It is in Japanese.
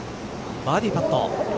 バーディーパット。